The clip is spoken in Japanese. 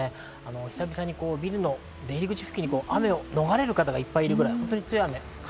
久々にビルの出入り口付近に雨を逃れる方がいらっしゃるぐらい。